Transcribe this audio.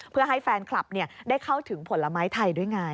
เพื่อให้แฟนคลับได้เข้าถึงผลไม้ไทยด้วยไง